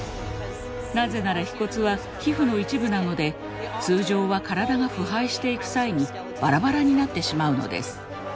なぜなら皮骨は皮膚の一部なので通常は体が腐敗していく際にバラバラになってしまうのです。